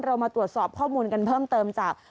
เรามาตรวจสอบข้อมูลกันเพิ่มเติมจาก